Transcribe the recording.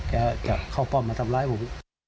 จะเข้าป้อมมาทำร้ายผม